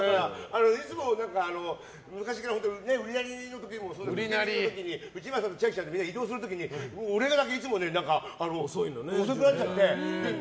いつも昔から「ウリナリ！！」の時に内村さんと千秋ちゃんでみんなで移動する時に俺だけいつも遅くなっちゃって。